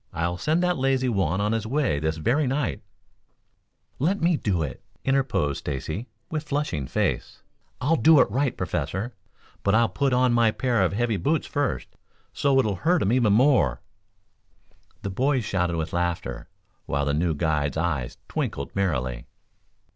"I'll send that lazy Juan on his way this very night " "Let me do it," interposed Stacy, with flushing face. "I'll do it right, Professor. But I'll put on my pair of heavy boots first, so it'll hurt him more." The boys shouted with laughter, while the new guide's eyes twinkled merrily.